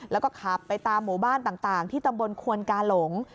แล้วก็ขับไปตามหมู่บ้านต่างที่ตำบลควนกาหลง